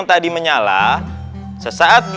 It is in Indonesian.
tidak ada hah